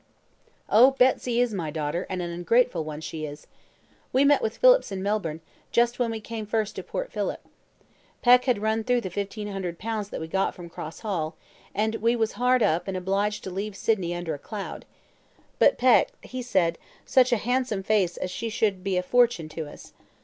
"Oh, Betsy is my daughter, and an ungrateful one she is. We met with Phillips in Melbourne, just when we came first to Port Philip. Peck had run through the 1,500 pounds that we got from Cross Hall, and we was hard up and obliged to leave Sydney under a cloud; but Peck, he said, such a handsome face as she had should be a fortune to us.